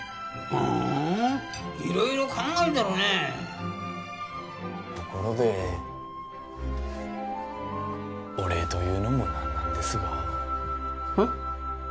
あ色々考えてるねところでお礼というのも何なんですがえッ？